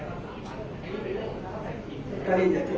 แต่ว่าไม่มีปรากฏว่าถ้าเกิดคนให้ยาที่๓๑